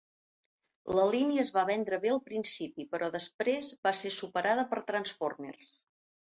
La línia es va vendre bé al principi però després va ser superada per Transformers.